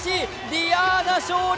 ディアーナ、勝利！